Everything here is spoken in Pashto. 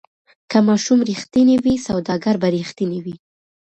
که ماشوم ریښتینی وي سوداګر به ریښتینی وي.